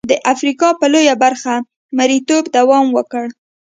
د افریقا په لویه برخه مریتوب دوام وکړ.